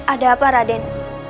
ada apa raden